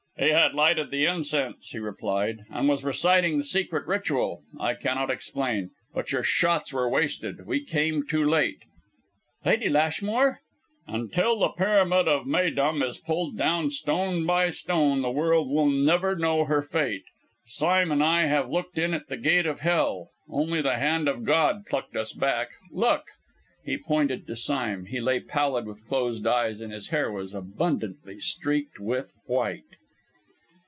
"He had lighted the incense," he replied, "and was reciting the secret ritual. I cannot explain. But your shots were wasted. We came too late " "Lady Lashmore " "Until the Pyramid of Méydûm is pulled down, stone by stone, the world will never know her fate! Sime and I have looked in at the gate of hell! Only the hand of God plucked us back! Look!" He pointed to Sime. He lay, pallid, with closed eyes and his hair was abundantly streaked with white!